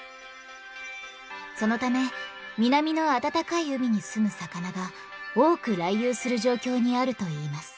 そのため南の暖かい海にすむ魚が多く来遊する状況にあるといいます。